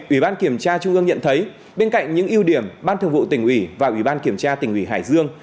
ủy ban kiểm tra trung ương nhận thấy bên cạnh những ưu điểm ban thường vụ tỉnh ủy và ủy ban kiểm tra tỉnh ủy hải dương